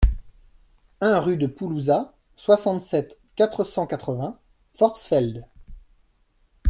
un rue de Poulouzat, soixante-sept, quatre cent quatre-vingts, Forstfeld